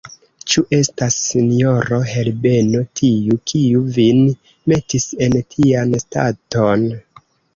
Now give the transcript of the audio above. Ĉu estas sinjoro Herbeno tiu, kiu vin metis en tian staton?